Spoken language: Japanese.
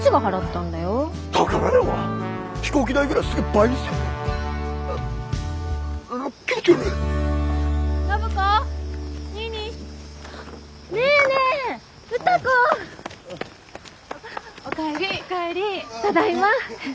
ただいま！